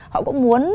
họ cũng muốn